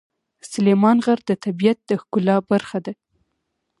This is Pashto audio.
سلیمان غر د طبیعت د ښکلا برخه ده.